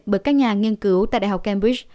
bởi các nhà nghiên cứu tại đại học cambridge